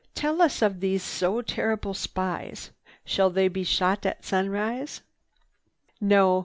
"Tell us of these so terrible spies. Shall they be shot at sunrise?" "No."